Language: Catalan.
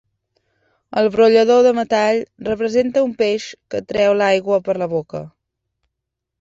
El brollador, de metall, representa un peix que treu l'aigua per la boca.